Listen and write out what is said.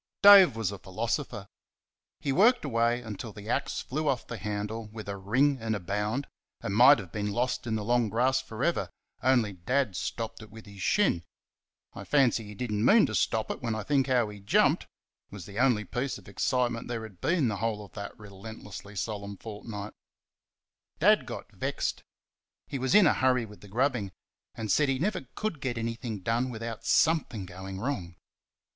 Dave was a philosopher. He worked away until the axe flew off the handle with a ring and a bound, and might have been lost in the long grass for ever only Dad stopped it with his shin. I fancy he did n't mean to stop it when I think how he jumped it was the only piece of excitement there had been the whole of that relentlessly solemn fortnight. Dad got vexed he was in a hurry with the grubbing and said he never could get anything done without something going wrong.